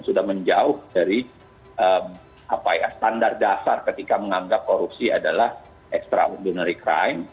sudah menjauh dari standar dasar ketika menganggap korupsi adalah extraordinary crime